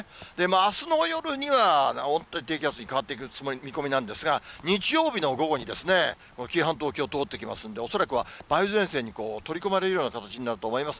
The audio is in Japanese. あすの夜には、温帯低気圧に変わってくる見込みなんですが、日曜日の午後にこの紀伊半島沖を通っていきますので、恐らくは梅雨前線に取り込まれるような形になると思います。